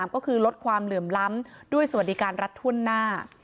ก็คือลดความเหลื่อมล้ำด้วยสวัสดิการรัฐถ้วนหน้า